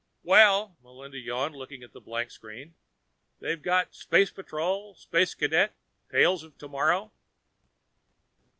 "Well," Melinda yawned, looking at the blank screen, "they've got Space Patrol, Space Cadet, Tales of Tomorrow